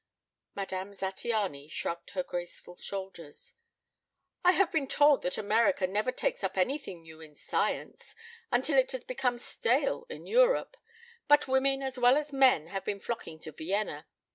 Madame Zattiany shrugged her graceful shoulders. "I have been told that America never takes up anything new in science until it has become stale in Europe. But women as well as men have been flocking to Vienna.